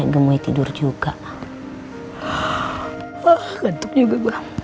gantuk juga gue